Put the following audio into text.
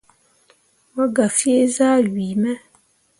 Mo gah fea zah wii me.